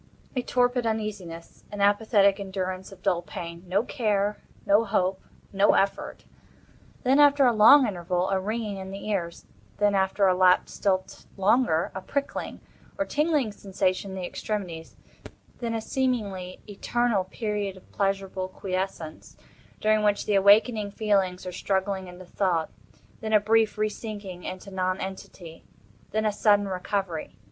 A torpid uneasiness. An apathetic endurance of dull pain. No care—no hope—no effort. Then, after a long interval, a ringing in the ears; then, after a lapse still longer, a prickling or tingling sensation in the extremities; then a seemingly eternal period of pleasurable quiescence, during which the awakening feelings are struggling into thought; then a brief re sinking into non entity; then a sudden recovery.